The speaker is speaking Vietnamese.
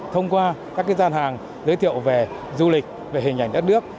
thông qua các gian hàng giới thiệu về du lịch về hình ảnh đất nước